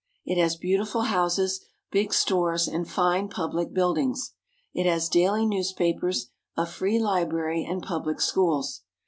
It has beautiful houses, big stores, and fine public buildings. It has daily newspapers, a free library, and public schools.